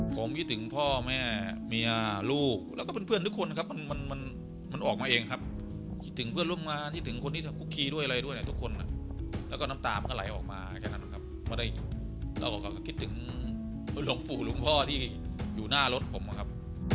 ผมคิดถึงพ่อแม่เมียลูกแล้วก็เพื่อนทุกคนครับมันมันออกมาเองครับคิดถึงเพื่อนร่วมงานคิดถึงคนที่ทำคุกคีด้วยอะไรด้วยเนี่ยทุกคนแล้วก็น้ำตามันก็ไหลออกมาแค่นั้นนะครับไม่ได้เราก็คิดถึงหลวงปู่หลวงพ่อที่อยู่หน้ารถผมอะครับ